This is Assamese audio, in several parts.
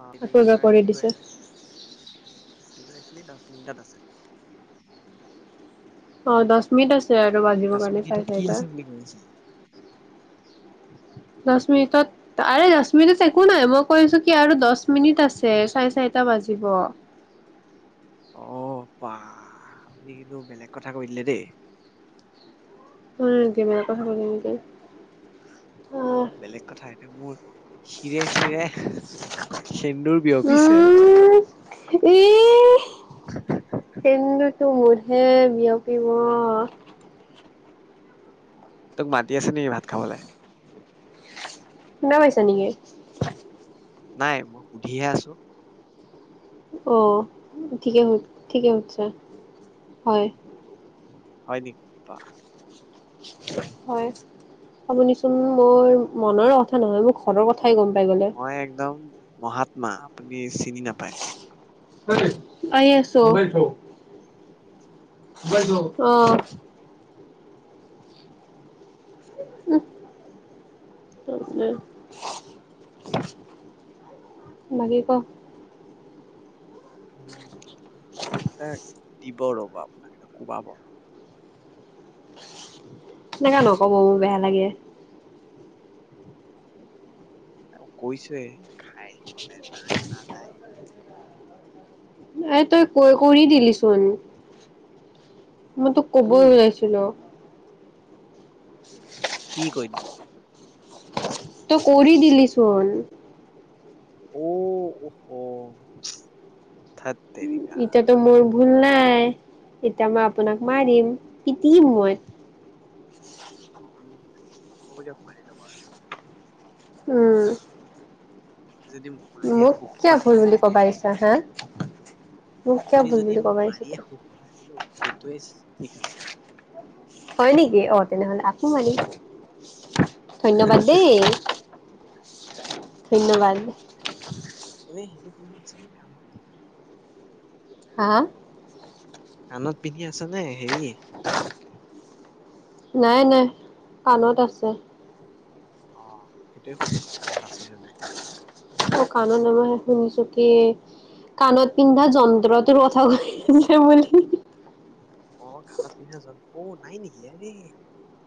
অ এইটো আকৌ বুলি এবাৰ কয় কৰি কি কৈ দিছে আছিলি কি কৰিছিলি দহ মিনিটত আছে অ দচ মিনিট হৈছে [unintelligible] দহ বাজিবৰ কাৰণে মিনিটত চাই কি চাৰিটা আছে বুলি কৈ আছে [unintelligible] দহ মিনিটত আৰে দহ মিনিটত একো নাই মই কৈছো কি আৰু দহ মিনিট আছে চাৰে চাৰিটা বাজিব অ বা আপুনি কিন্তু বেলেগ কথা কৈ দিলে দেই ওম কেমেৰা কথা নকলো অ বেলেগ কথা, এতিয়া মোৰ শিৰে শিৰে সেন্দুৰ বিয়পিছে উম ই সেইটো মোৰহে বিয়পিব তোক মাতি আছে নেকি ভাত খাবলে? ন হৈছে নেকি? নাই মই সুধিহে আছো? অ ঠিকে, ঠিকে সোধিছে হয় হয় নেকি বাহ হয় আপুনিচোন মোৰ মনৰ কথা নহয় মোৰ ঘৰৰ কথা [unintelligible] খাই গম পাই গ'লে মই একদম মহাত্মা আপুনি চিনি নাপায়। খাই [unintelligible] আছো অহ উম বাকী ক [unintelligible] এ দিব ৰ'ব আপোনাক এতিয়া কোবাব তেনেক নক'ব ও বেয়া লাগে। আৰু কৈছোৱে খাই আহিবলৈ নাই ন নাই এ তই কৈ কৰি দিলিচোন মই তো কবই উম উলাইছিলো কি কৈ দিলে? তই কৰি দিলিচোন। ঔ থ [unintelligible] এতিয়াটো মোৰ ভুল নাই, এতিয়া মই আপোনাক মাৰিম পিটম মই হ'ব দিয়ক মাৰি ল'ব আৰু। উম আপুনি যদি মাৰিয়ে মোক সুখ কিয় পায় ভুল বুলি ক'বা সেয়াই আহিছ হে আপুনি যদি মোক দিছ তই মাৰিয়ে সুখ পায় বোলো সেইটোৱে ঠিক আছে। হয় নেকি অ তেনেহলে আছো মানে ধন্যবাদ দেই। ধন্যবাদ। এনে হেৰি পিন্ধিছনে কাণত হা কানত পিন্ধি আছ নে হেৰি নাই নাই কাণত আছে। অহ, সেইটোয়ে সুধি আছো কাণত আছে নাই। অ কাণত অ মই শুনিছো কি কাণত পিন্ধা যন্ত্ৰটোৰ কথা কৈ আছে বুলি অ কাণত পিন্ধা অ নাই নেকি আৰে,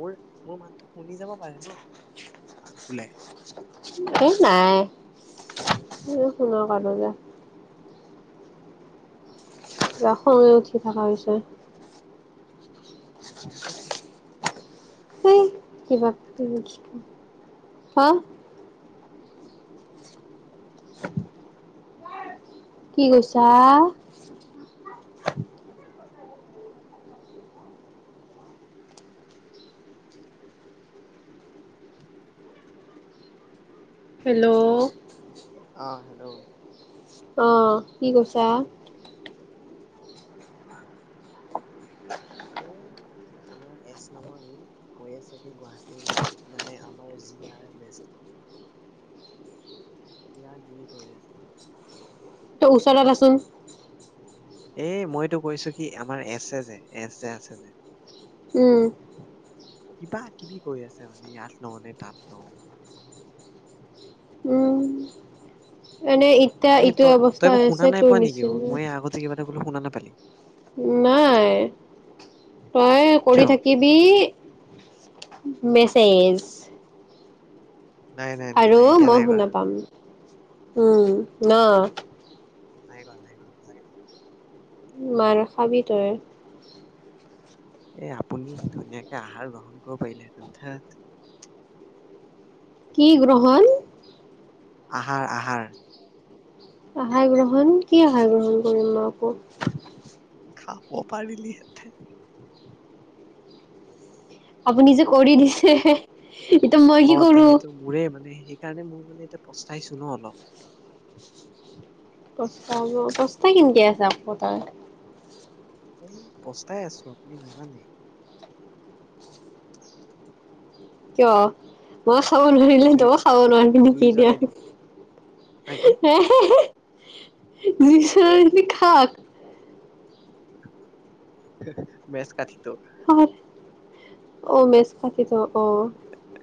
মোৰ মোৰ মাতটো শুনি যাব পাৰে ন আংকুলে এই নাই শুন কানো যো [unintelligible] এতিয়া উঠি বনাইছো। কম্বল উঠে নি স কি ব হা [unintelligible] [unintelligible] কি কৈছা? হেল্ল' অঁ হেল্ল' আহ কি কৈছা? এ আমাৰ এছ নামৰ ই কৈ আছে কি গুৱাহাটীৰ মানে আমাৰ জিলাৰ বেষ্ট কিবাগি কৈ আছে। তই ওচৰত আছোন। এ মইতো কৈছো, কি আমাৰ এছে যে, এছে আছে যে! উম! কিবা কিবি কৈ আছে, মানে ইয়াত লওঁ নে তাত লওঁ। এনেই এতিয়া এনেই এইটো তই অৱস্থা আছে তোৰ নিচিনা এতিয়া বোলো শুনা নাপালি। নাই, তইয়ে কৰি কিয় থাকিবি। মেছেজ। নাই নাই নাই আৰু নাই এতিয়া মই নাই কৰা শুনা পাম! উম ন! নাই কৰা, নাই কৰা, সচাঁকে নাই কৰা। মাৰ খাবি তয়! এই আপুনি ধুনীয়াকে আহাৰ ল'ক। [unintelligible] কি গ্ৰহণ? আহাৰ আহাৰ। আহাৰ গ্ৰহণ, কি আহাৰ গ্ৰহণ কৰিম মই আকৌ? খাব পাৰিলিহেঁতেন। আপুনি যে কৰি দিছে। এতিয়া মই কি অ কৰো সেইটো মোৰে মানে, সেইকাৰণে মোৰ মানে পস্তাইছো ন অলপ। দশটা কিনি দিয়া, যাম বজাৰলে। পস্তাই আছো আপুনি নাজানে? কিয় ম খাব নোৱাৰিলে জুই তইয়ো খাব নোৱাৰিবি জুই নেকি এতিয়া? জ্বলাই দিওঁ হা কি হাঁ! হাঁ! [unintelligible] মেচ কাঠিটো। অ মেচ কাঠিটো অ!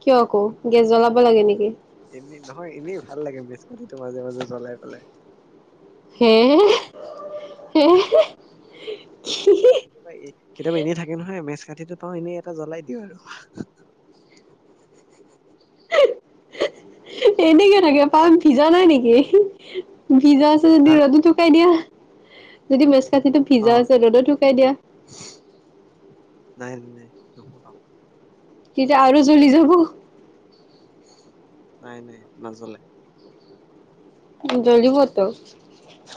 কিয় আকৌ, গেছ জ্বলাব লাগে নেকি? এনেই নহয় এনেই ভাল লাগে ৰাতিটো মাজে মাজে জ্বলাই পেলাই! হেঁ! হেঁ! হেঁ! কেতিয়াবা, কেতিয়াবা এনেই থাকে নহয় মেজ! কাঠিটো পাওঁ এনেই এটা জ্বলাই দিওঁ আৰু এনেকে থাকে ক, ভিজা নাই নেকি? ভিজা আছে যদি হা ৰ'দত শুকাই দিয়া। যদি ছাতিটো, অ ভিজা আছে ৰ'দত [unintelligible] নাই। নাই। [unintelligible] তেতিয়া আৰু জ্বলি যাব নাই নাই নজ্বলে। জ্বলিবতো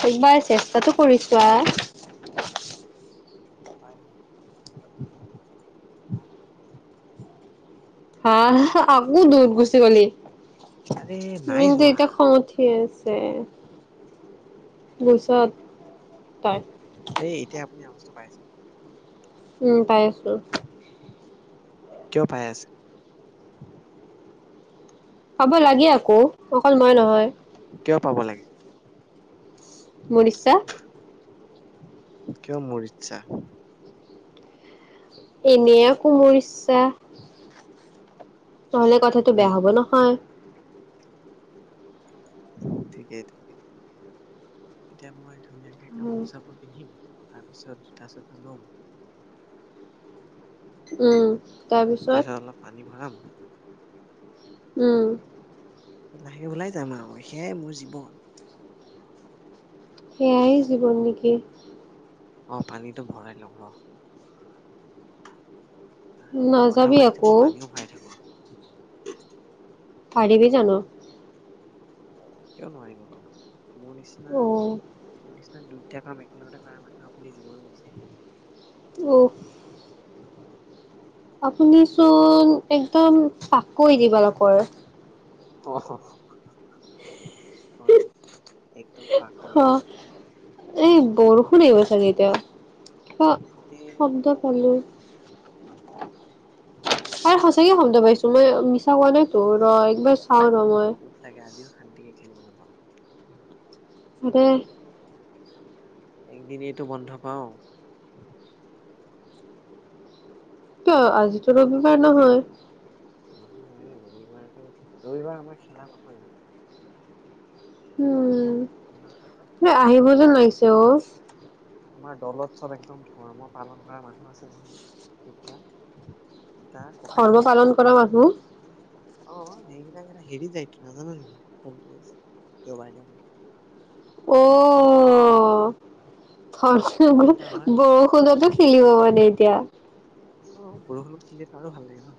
একবাৰ চেষ্টাটো কৰিছোৱা। হয় হয় [unintelligible] হা আকৌ দূৰত ঘুচি গলি। আৰে মোৰ নাই কিন্তু যোৱা এতিয়া খং উঠিয়ে আছে। য়ে [unintelligible] তাই। এ এতিয়া তুমি আৱাছ পাই আ উম পাই আছো। কিয় পাই আছা? পাব লাগে আকৌ অকল মই নহয়। কিয় পাব লাগে? মোৰ ইচ্ছা। কিয় মোৰ ইচ্ছা। এনে আক' মোৰ ইচ্ছা। ন'হলে কথাটো বেয়া উম হব নহয়। ঠিকেই ঠিকেই। এতিয়া মই ধুনীয়াকে কাপোৰ চাপোৰ পিন্ধিম। তাৰপিছত দুটা চটা লম। উম তাৰপিছত। অলপ পানী ভৰাম উম। লাহেকে ওলাই যাম আৰু সেয়াই মোৰ জীৱন। সেয়াই জীৱন নেকি! অ পানীটো ভৰাই লও ৰ। কথাও নাযাবি পাতি থাকো আকৌ পানীও ভৰাই থাকো। পাৰিবি জানো? কিয় নোৱাৰিম আকৌ। মোৰ নিচিনা অ মোৰ নিচিনা দুইটা কাম একেলগতে কৰা মানুহ আপুনি জীৱনত বিচাৰি নো অ। আপুনি চুন নাপাব একদম আকৌ ই কিবা এটা কৰ। অহ অহ। অই একদম তাকৈ হ এটাক এই বৰষুণ আহিব চিনি চাগে এতিয়া পাইছো, কিবা এই শব্দ নকও এই। পালো আৰু সঁচাকে গম নাপাইছোঁ মই মিছা কোৱা নাই। তু ৰ একবেচ। খাওঁ ন মই। দুখ লাগে আজিও শান্তিকে খেলিব নাপাওঁ। দে একদিনেটো বন্ধ পাওঁ। ত আজি। ৰবিবাৰ এক নহয়। ৰবিবাৰ আমাৰ খেলা নহয়। উম আমাৰ আমাৰ এ আহিব আমাৰ যেন লাগিছে অ আমাৰ দলত চব একদম ধৰ্ম পালন কৰা মানুহ আছে নহয় সেইকেইটা। তা ককাই ধৰ্ম ভাই পালন কৰা এই মানুহ দুটাই। অ সেই বিলাকটো হেৰি যাইটো নাজান নেকি দেওবাৰে। অ এই দুটা আমাৰ বৰষুণতে খেলিব মানে এতিয়া। অ বৰষুণতো খেলী আৰু ভাল লাগে ন।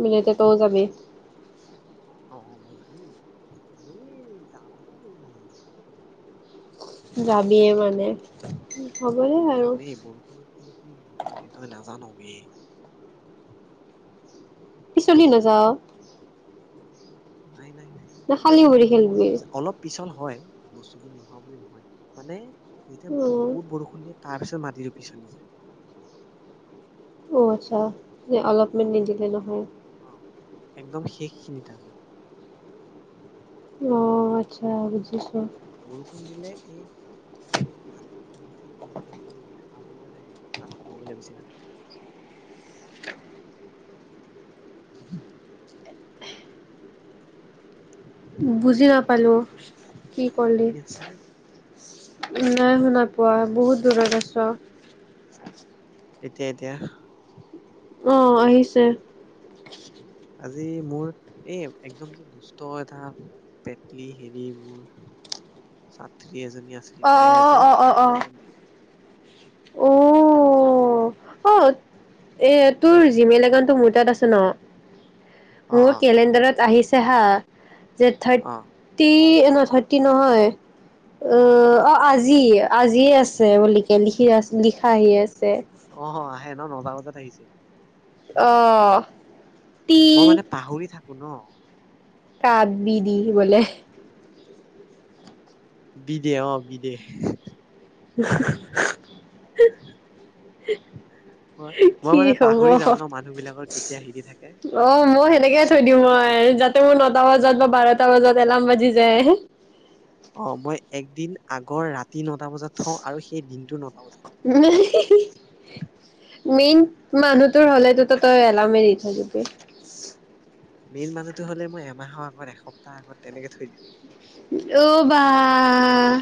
নিলেটো তও যাবি। অ মই যাম হেই যামেই। যাবিয়ে মানে হ'ব দে আৰু যামেই বৰষুণত খেলি কি মজা লাগে তই নাজান বে পিছলি নাযাওঁ। [inaudible] নাই নাই নাই খালী পিছলি ভৰি খেলবি অলপ অলপ পিছল। হয় বস্তুতো নোহোৱা বুলি নহয় মানে। এতিয়া অ বহুত বৰষুণ দিয়ে। তাৰপিছত মাটিতো পিচলি যায়। অ আচ্ছা অলপমেণ্ট নিদিলে নহয়। অ একদম শেষখিনিত আৰু। অ আচ্ছা বুজিছোঁ। বৰষুণ দিলে এই। যোনটো মাটি কিহয় খেলিবলৈ বেছি ভাগ। বুজি না পালো' কি এ ক'লে। শুনি আছেনে নাই শুনা পোৱা বহুত দূৰত আছ এতিয়া এতিয়া অহ আহিছে। আজি মোৰ এই একদম যে দুষ্ট এটা পেটলি হেৰি মোৰ ছাত। টী এজনী আছিল, অ তাইৰ আজি অ অ অ জন্মদিন। অ'। অ অ এ তোৰ জিমেইল একাউণ্টটো মোৰ তাত আছে ন? অ মোৰ কেলেণ্ডাৰত আহি চেহা যে অ থাৰটি থাৰটি নহয়, অ' আজি, আজিয়ে আছে বুলিকে লিখি আছে, লিখা আহি আছে। ছে অ অ আহে ন? নটা বজাত আহিছিল। অহ। তি মই মানে পাহৰি থাকো। শুন কাক বি দি বোলে। বিদে, অ' বিদে। মই [unintelligible] মই কি মানে হ'ব! পাহৰি যাও ন মানুহ বিলাকৰ কেতিয়া হেৰি থাকে অ' জন্মদিন মই সেনেকে সেইকাৰণে থৈ চব দিওঁ লিখি মই, থৈ দিওঁ যাতে মোৰ নটা বজাত বা বাৰটা বজাত এলাৰ্ম বাজি যে অ' মই একদিন আগৰ ৰা তি নটা বজাত থওঁ আৰু সেইদিনটো নটা বজাত মেইন মানুহটোৰ হ'লেতোতো তই এলাৰ্মে দি থৈ দিবি। মেইন মানুহটো হ'লে মই এমাহৰ আগত এসপ্তাহৰ আগত তেনেকে থৈ দিম। অ' বাহ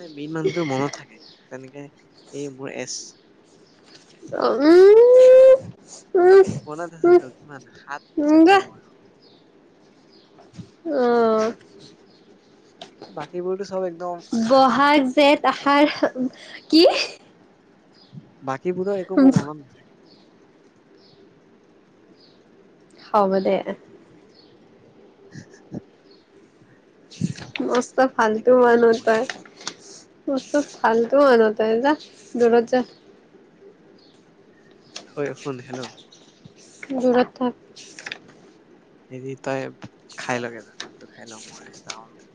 নাই মেইন মানুহটোৰ মনত থাকে, তেনেকে এই মোৰ এছ অ' উম। [inaudible] মনত উম আছেতো, কিমান? সাত উম যা চেপ্তেম্বৰ অ'। অ'। বাকীবোৰতো চব একদম ব'হাগ, জেঠ, আহাৰ কি! বাকীবোৰৰ একো মোৰ মনত নাথাকে। হ'ব দে। [unintelligible] চৰি মস্ত ধেমালি ফালটো কৰি আছো মানুহ মই তই। মস্ত ফালটো মানুহ তই যা, দূৰত যা। হয়, শুন হেল্ল'। দূৰত থাক হেৰি তই ভাত খাই লগে যা ভাতটো খাই ল মই যাওঁ নেকি?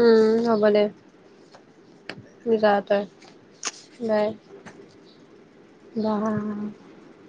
উম হ'ব দে খেলিবলৈ। যা তই বাই বাহ